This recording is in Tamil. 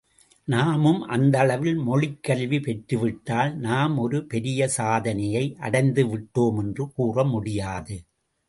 நாமும் அந்த அளவில் மொழிக் கல்வி பெற்றுவிட்டால் நாம் ஒரு பெரிய சாதனையை அடைந்துவிட்டோம் என்று கூறமுடியாது.